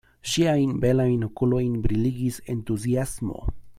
Ŝiajn belajn okulojn briligis entuziasmo.